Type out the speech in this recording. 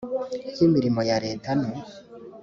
y imirimo ya leta no